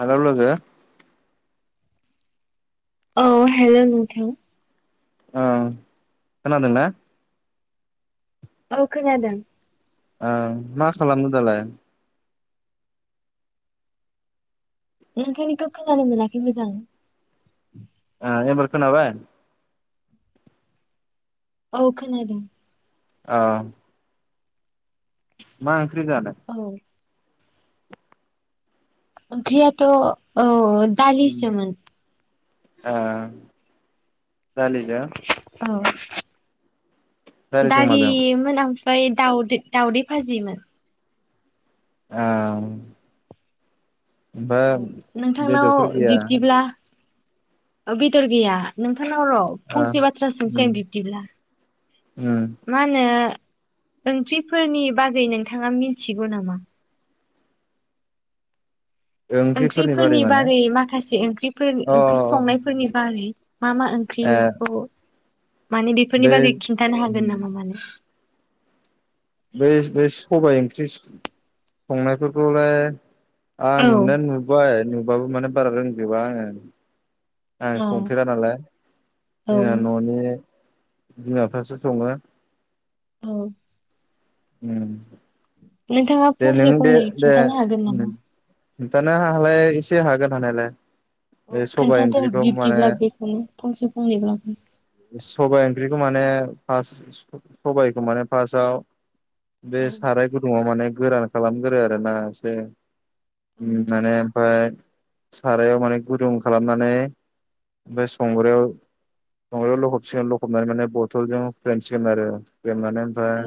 Hello लोगो अ हेल' नथां ओं खोनादोंना औखोनादों ओम मा खालामदों दालाय नोंथांनिखौ खोनानो मोनाखै मोजां आ एबारखोनाबाय औ खोनादों ओ मा ख्रै जानाय औ ओंख्रियाथ' औ दालि सोमोन ए दालिजों दालिजों दालि माजों ओ मोन ओं ओमफ्राय दाावदै दाावदै फाजिमोन ए बेदरफोर नोंथांनाव गैया बिब्दिब्ला बेदर गैया नों नोंथांनाव र' ओ फंसे बाथ्रासिमसै उम आं बिब्दिब्ला उम मा होनो ओंख्रिफोरनि बागै नोंथाङा मिथिगौ नामा ओंख्रिफोरनि बारै माखासे ओंख्रिफोर अ ओंख्रि संनायफोरनि बारै मा मा ए ओंख्रिखौ माने बेफोरनि बे बागै खिन्थानो हागोन नामा माने बे बे सबायाइ ओंख्रि संनायफोरखौलाय आ औ नुनाया नुबाय बाबो माने बारा रोंजोबा आं आं संफेरा नालाय औ जोंना न'नि बिमाफ्रासो सङो औ ओम [inaudible] नोंथाङा फंसे फंनै खिन्थानो हागोन नामा खिथानो हालाय इसे हागोन‌ हानायालाय औ बे सबाइ खोन्थादो ओंख्रिखौ माने बिब्दिब्ला बेखौनो फंसे फंनैब्लाबो सबाइ ओंख्रिखौ माने फास सबाइखौ माने फार्स्टाव औ बे साराय गुदुंङआव माने गोरान खालामगोरो आरोना एसे माने ओमफ्राय सारायाव माने गुदुं खालामनानै ओमफ्राय संग्रायाव संग्रायाव लखबसिगोन लखबनानै माने बथलजों फ्लेनसिगोन आरो हुक्रेमनानै ओमफाय औ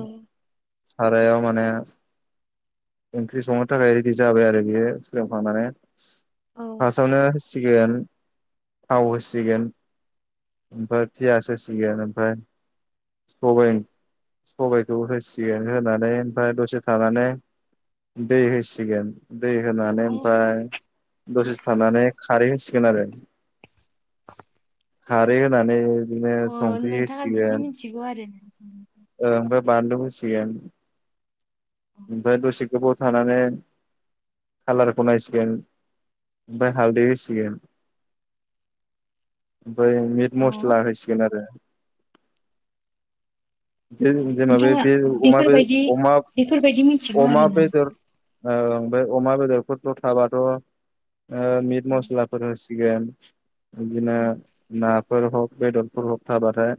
सारायाव माने ओंख्रि संनो थाखाय रेडि जाबाय आरो बियो हुक्रेम खांनानै औ फासावनो होसिगोन थाव होसिगोन ओमफ्राय पियास होसिगोन ओमफ्राय सबाय-सबबायखौ होसिगोन होनानै ओमफ्राय दसे थानानै दै हो सिगोन दै होनानै औ ओमफ्राय दसेसो थानानै खारै खोनादों [inaudible] खारै होनानै बिदिनो अ संख्रि नोंथाङा होसिगोन बिदि मिथिगौ आरो नों ओमफ्राय बानलु होसिगोन ओमफ्राय दसे गोबाव थानानै खालारखौ नायसिगोन ओमफ्राय हालदै होसिगोन ओमफ्राय मिट अ मस्ला होसिगोन आरो जेन-जेनेबा बे नोंथाङा बे अमा बे बेफोरबायदि अमा बेफोरबायदि मिथिगौ अमा आरोना बेदर औ ओमफ्राय अमा बेदरफोरल' थाबाथ' ओ मिट मसलाफोर होसिगोन बिदिनो ना हक बेैदरफोर हक थाबाथाय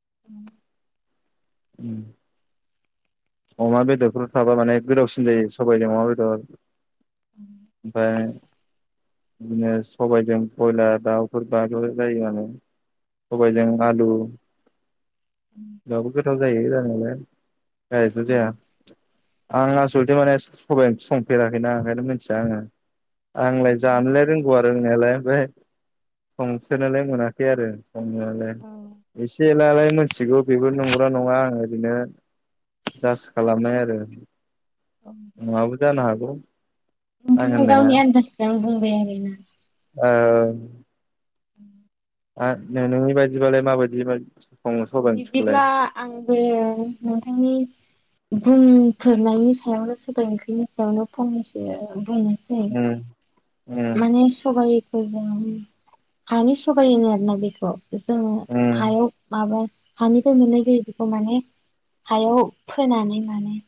[inaudible] [inaudible] अमा बेदरफोराव थाबा माने गोदावसिन जायो सबाइजों अमा बेदर ओमफ्राय बिदिनो सबायाइजों ब्रयलार दाउफोर बाबो जायो [unintelligible] सबायाइजों आलु [unintelligible] [unintelligible] जायो जानायालाय [unintelligible] आं आसलथे माने सबय ओंख्रि संफेराखैना ओंखायनो मिथिया आंङो आंलाय जानलाय रोंगौ आरो रोंनायालाय ओमफ्राय संसोनोनलाय मोनाखै आरो [unintelligible] ऐसे ऐलायालाय मिथिगौ बेबो नंगौ ना नङा आंङो ओरैनो जास खालामनाय आरो नङाबो जानो हागौ [unintelligible] आं होननाया [unintelligible] औ [unintelligible] [unintelligible] नोंनि बायदिबालाय [unintelligible] अ ओंख्रिखौलाय? बिब्दिब्ला आंबो नोंथांनि बुंफोरनायनि सायावनो सबबाय ओंख्रिनि सायावनो फंनैसो बुं सेै उम उम माने सबाइ मोजां हानि सहायोनो आरोना बेखौ जोङो उम हायाव माबा हानिफ्राय मोननाय जायो बेखौ माने हायाव फोनानै माने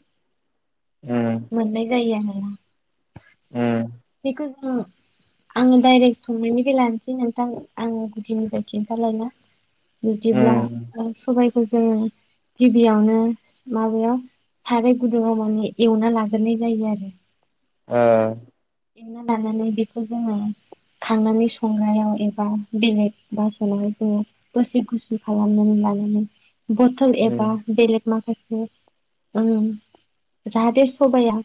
मोननाय जायो आरो ओ बेखौ जों आंङो डाइरेक्ट संनायनिफ्राय लानोसै नोंथां आङो गुदिनिफ्राय खिन्थालायना बिदिब्ला उम सबाय खौ जोङो गिबियावनो माबायाव साराय गुदुङाव माने एवना लाग्राय जायो आरो ओ एरना लानानै बेखौ जोङो खांनानै संनायाव एबा बेलेग बासाव जोङो दसे गुसु खालामनानै लानानै बथल उम एबा बेलेग माखासे उ जाहाथे सबाइाया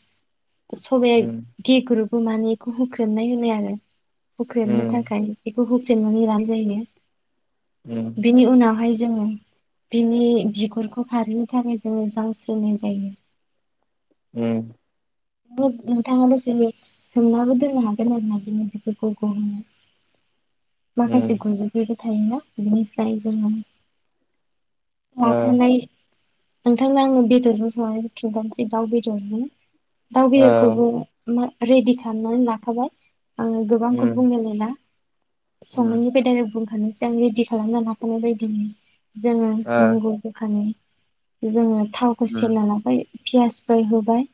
सब उम गे ग्रुप बे माने बेखौ होख्रेबनाय होनो आरो हुख्रमनो उम थाखायाय बेखौ [unintelligible] उम बेनि उनावहाय जों बिनि बिगुरखौ खारैनि थाखाय जोङो जावस्रिनाय जायो उम नोंथाङा दसे सोमनाबो दोननो हागोन आरो ना बेनि बिगुरखौ गहोनो। माखासे उम गुजुबि थायोना बिनिफ्राय जोङो ओ लाखांनाय नोंथांनो आङो बेदरजों संनानै खिन्थनोसै दाउ बेदरजों दाउ औ बेदरखौबो मा रेडि खालामनानै लाखाबाय आङो गोबांखौ उम बुंलायलायला उम संनायनिफ्राय दायरेक बुंखानोसै आं रेडि खालामना लाखानाय बायदिनो जोङो ओ नांगौ जखानि जोङो थावखौ उम सेरना लाबाय पियासफोर होबाय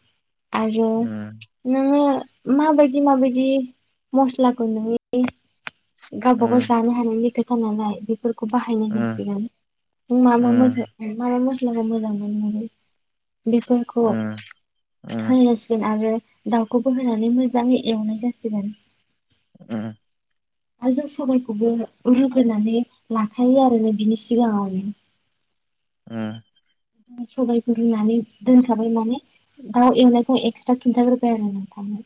आरो उम नोङो माबायदि माबायदि मस्लाखौ नोङो उम गावबा गाव जानो हानायनि खोथा नालाय बेफो खौ बाहायनाय उम जासिगोन नों मा मा मा मसला मसला मोजां मोनो बेफोरखौ होसिगोन आरो दाउखौबो होनानै मोजाङै एवनाय जासिगोन उम आरो जों सबायखौबो रुग्रोनानै लाखायो आरोना बिनि सिगाङावनो उम सबायखौ रुनानै दोनखाबाय माने औ एवनायखौ एक्सट्रा खिन्थाग्रोबाय आरो नोंथांनो।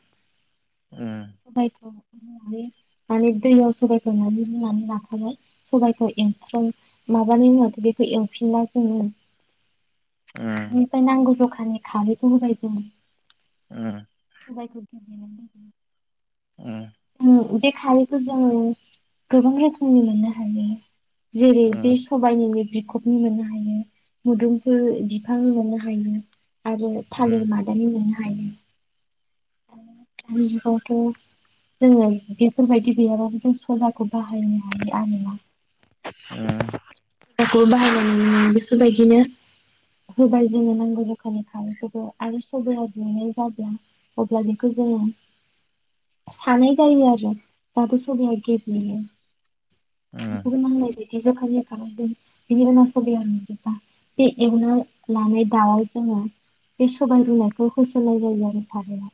सबायखौ रुनानै माने दैयाव सबाइखौ रुनानै लाखाबाय सबायखौ एंख्रं माबानि उनावथ' बेखौ एवफिनला जोङो बेनिफ्राय नांगौ जखा माने खारै [unintelligible] [unintelligible] ओम सबायखौ [unintelligible] [unintelligible] बे खारैखौ जोङो गोबां रोखोमनि मोननो हायो जेरै बे सबायनिनो बिखब नि मोननो हायो मुदुमफोर बिफां मोननो हायो आरो उम थालिर मादानि मोना [unintelligible] दानि जुगावथ' जोङो बेफोरबायदि गैयाबाबो जों सौदाखौ बाहायनो हायो आरोना ओम खौ बाहायनानै बेफोरबायदिनो होबाय जोंनो नांगौ जखानि खारैफोरखौ आरो सबाया रुयनाय जागोन अब्ला बेखौ जों सानाय जायो आरो जाहाथे सबाया गेब्लेयो उम [unintelligible] दि ज'खानि [unintelligible] जों बिनि उनाव सबयाव रुयजोबबा बे एवना लानाय दाउआव जोङो बे सबाय रुनायखौ होसननाय जायो आरो [unintelligible]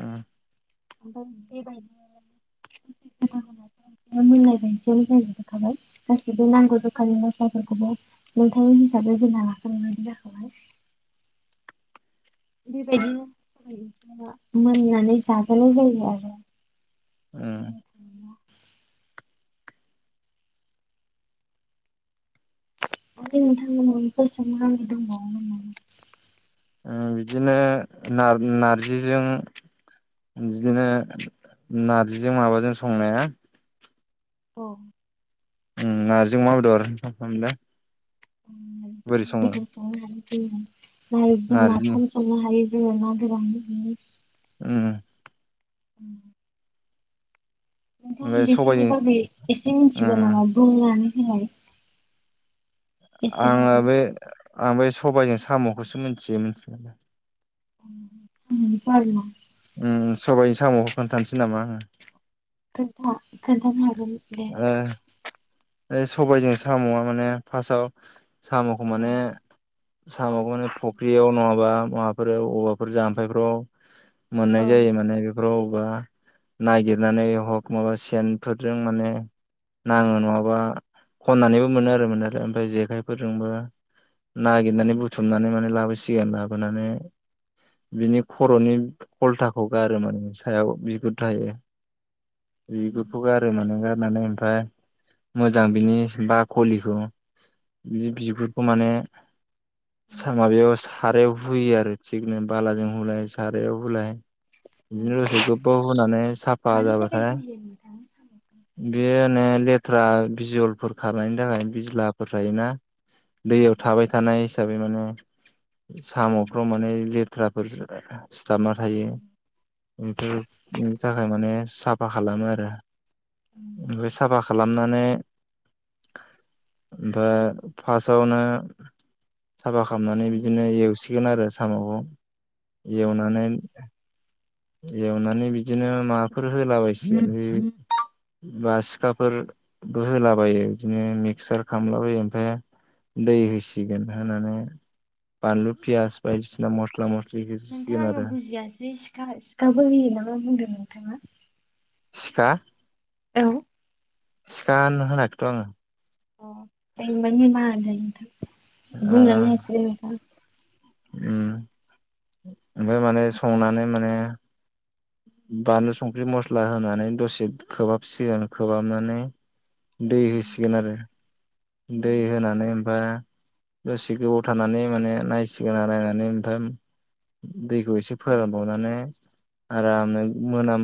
ओम ओमफ्राय बेबायदि [unintelligible] गासिबो नांगौ जखानि मस्लाफोरखौबो नोंथांनि हिसाबै होना लाखांना [unintelligible] जाखाबाय बेबायदिनो [unintelligible] मोननानै जाजानाय जायो आरो उम [inaudible] आरो नोंथांमोनाव [unintelligible] दंबावोमोन नामा ओं बिदिनो नाय नार्जिजों बिदिनो नारजिजों माबाजों संनाया औ ओं नार्जिजों अमा बेदर [unintelligible] [unintelligible] बोरै सङो नारजिजों नार्जिनि नाफाम संनो हायो जोङो ना गोरान [unintelligible] ओम [inaudible] नोंथां ओमफ्राय बेफोरनि सबाइजों बागै एसे मिथिगौ उम नामा बुंनानै [unintelligible] आङो एसेबाबो बे आं बे सबायाइजों साम'खौसो मिथियो मिथिनायालाय [unintelligible] आरोना ओं सबाइनि साम'खो खोनथानोसै नामा आङो खोन्था खोन्थानो हागोन दे ओ ओ सबायजों साम'आ माने फार्स्टआव साम'खौ औ माने साम'खौ माने फुख्रियाव नङाब औवा माबाफोर औवाफोर जाम्फायफ्राव औ मोननाय जायो माने बे [unintelligible] ावबा नागिरनानै हक माबा सेनफोरजों माने नाङो नङाबा खननानैबो मोनो आरो मोननायालाय ओमफ्राय जेखाइफोरजोंबो नागिरनानै बुथुमनानै माने लाबोसिगोन। सिगां लाबोनानै बिनि खर'नि खलथाखौ गारो माने सायाव बिगुर थायो। औ बेखौथ' ग आरो माने ग [unintelligible] [unintelligible] मनानै ओमफ्राय मोजां बिनि बाकलिखौ बिनि बिगुरखौ माने माबायाव सारायाव हुयो आरो थिगनो बालाजों हुलाय सारायाव हुलाय औ बिदिनो रसे गोबाव होनानै साफा मानि थाखाय जाबाथाय होयो नोंथां [unintelligible] लेथ्रा आ बिजलफोर खरनायनि थाखाय बिज्लाफोर थायोना दैयाव थाबाय थानाय साबै माने साम'फ्राव साम'खौ? माने जे [unintelligible] सिथाबना थायो बेफोरनि थाखाय माने साफा खालामो आरो ओमफ्राय साफा खालामनानै ओमफ्राय फार्स्टआवनो साफा खालामनानै बिदिनो एवसि गोन आरो साम'खौ एवनानै एवनानै बिदिनो माबाफोर होलाबायसिगोन बा सिखाफोरबो होलाबायो बिदिनो मिक्सार खालामलाबायो ओमफ्राय दै होसिगोन होनानै बानलु पियास बायदिसिना मस्ला मस्लि नोंथां होसिगोन आङो आरो बुजियासै सिखा सि खाबो होयो नामा बुंदों नोंथाङा सिखा? औ सिखा होन होनाखैथ' आङो अ दे होनबा निमाहा होदो नोंथां बुंलांनो ओ हासिगोन नोंथां उम ओमफ्राय माने संनानै माने बानलु संख्रि मस्ला होनानै दसे खोबहाबसिगोन खोबहाबनानै दै होसिगोन आरो दै होनानै ओमफा दसे गोबाव थानानै माने नायसिगोन आरो नायनानै ओमफ्राय दैखौ एसे नोंथां। फोरानबावनानै आरामनो मोनाम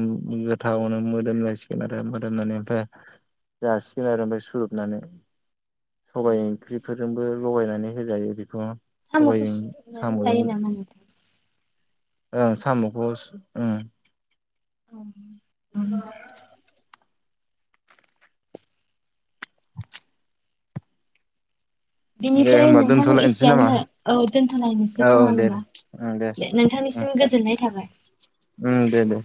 गोथावनो मोदोमलायसिगोन आरो मोदोमनानै ओमफ्राय जासिगोन आरो ओमफ्राय सुरोबनानै। सबाय ओंख्रिफोर जोंबो लगायनानै होजायो बेखौ साम'खौ सबाइजों सुरोबनानै जायो नामा नोंथां? औ साम'खौ सु ओ औ [inaudible] दे बिनिफ्राय होमबा नोंथां दोनथ'लायनोसै नामा एसेयावनो औ दोन्थ'लायनोसै औ खोमा दे होनबा ओं दे ओं नोंथांनिसिम गोजोननाय थाबाय। उम दे दे